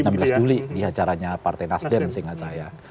enam belas juli di acaranya partai nasdem seingat saya